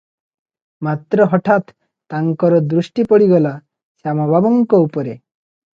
ମାତ୍ର ହଠାତ୍ ତାଙ୍କର ଦୃଷ୍ଟି ପଡ଼ିଗଲା ଶ୍ୟାମବାବୁଙ୍କ ଉପରେ ।